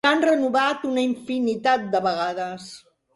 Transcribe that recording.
L'han renovat una infinitat de vegades.